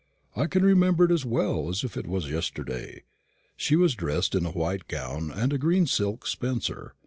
I can remember it as well as if it was yesterday. She was dressed in a white gown and a green silk spencer.